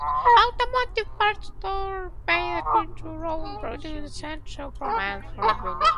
Automotive parts stores play a crucial role in providing essential components for vehicles.